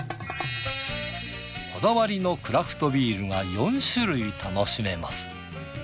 こだわりのクラフトビールが４種類楽しめます。